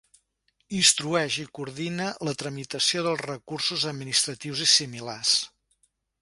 Instrueix i coordina la tramitació dels recursos administratius i similars.